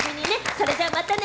それじゃあ、またね！